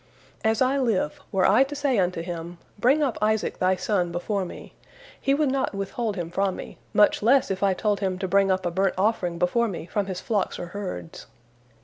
As I live, were I to say unto him, Bring up Isaac thy son before Me, he would not withhold him from Me, much less if I told him to bring up a burnt offering before Me from his flocks or herds."